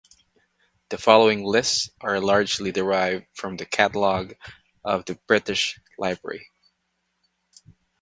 The following lists are largely derived from the catalogue of the British Library.